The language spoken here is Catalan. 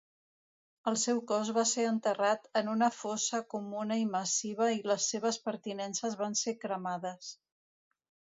El seu cos va ser enterrat en una fossa comuna i massiva i les seves pertinences van ser cremades.